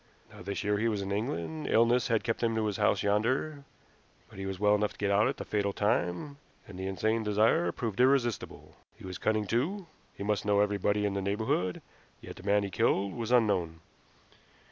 Now this year he was in England; illness had kept him to his house yonder, but he was well enough to get out at the fatal time, and the insane desire proved irresistible. He was cunning too. He must know everybody in the neighborhood, yet the man he killed was unknown.